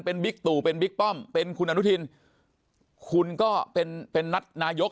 เป็นบิ๊กตู่เป็นบิ๊กป้อมเป็นคุณอนุทินคุณก็เป็นเป็นนัดนายก